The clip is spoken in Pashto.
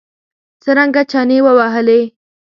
څرنګه چنې ووهلې.